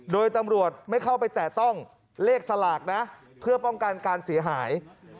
โดยตำรวจไม่เข้าไปแตะต้องเลขสลากนะเพื่อป้องกันการเสียหาย